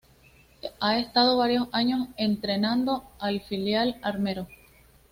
Ha estado varios años entrenando al filial armero.